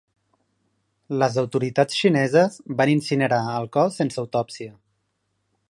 Les autoritats xineses van incinerar el cos sense autòpsia.